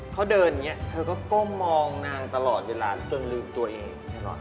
เขาเดินอย่างนี้เธอก็ก้มมองนางตลอดเวลาจนลืมตัวเองตลอด